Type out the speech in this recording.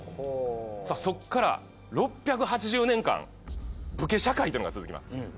さあそっから６８０年間武家社会というのが続きます。